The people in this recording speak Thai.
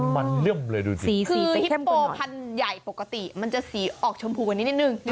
มันเลื่อมเลยดูจริงคือฮิปโปพันธุ์ใหญ่ปกติมันจะสีออกชมพูกันนิดนึง